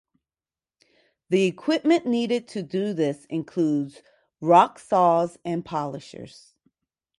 The equipment needed to do this includes rock saws and polishers.